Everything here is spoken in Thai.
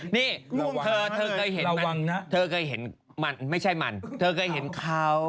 นี่เธอเคยเห็นมันเธอเคยเห็นมันไม่ใช่มันเธอเคยเห็นเขา